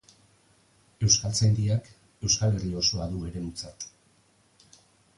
Euskaltzaindiak Euskal Herri osoa du eremutzat.